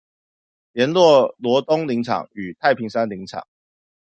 聯絡羅東林場與太平山林場